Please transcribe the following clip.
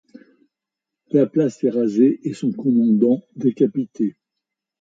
La place est rasée et son commandant est décapité.